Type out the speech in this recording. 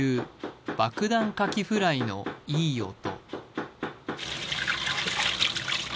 爆弾カキフライのいい音。